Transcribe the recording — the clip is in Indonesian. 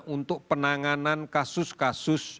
untuk penanganan kasus kasus